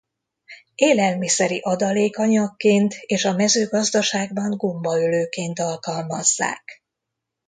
Élelmiszeri adalékanyagként és a mezőgazdaságban gombaölőként alkalmazzák.